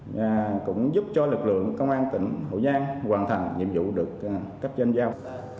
và cũng giúp cho lực lượng công an tỉnh hồ giang hoàn thành nhiệm vụ được cấp danh giao